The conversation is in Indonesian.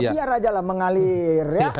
biar aja lah mengalir